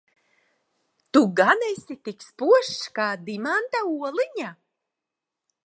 Tu gan esi tik spožs kā dimanta oliņa?